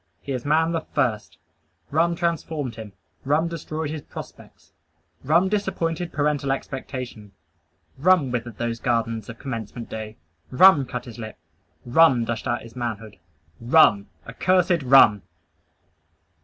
He is man the first! Rum transformed him. Rum destroyed his prospects. Rum disappointed parental expectation. Rum withered those garlands of commencement day. Rum cut his lip. Rum dashed out his manhood. RUM, accursed RUM!